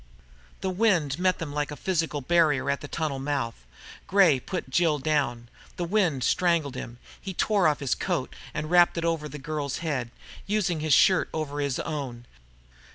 The wind met them like a physical barrier at the tunnel mouth. Gray put Jill down. The wind strangled him. He tore off his coat and wrapped it over the girl's head, using his shirt over his own.